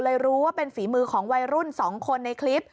เลยรู้ว่าเป็นฝีมือของวัยรุ่น๒คนในคลิป